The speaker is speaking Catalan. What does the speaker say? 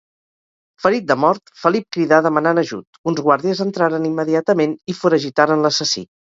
Ferit de mort, Felip cridà demanant ajut; uns guàrdies entraren immediatament i foragitaren l'assassí.